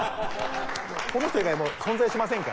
この人以外存在しませんから。